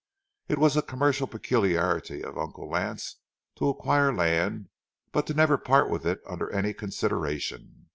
It was a commercial peculiarity of Uncle Lance to acquire land but never to part with it under any consideration.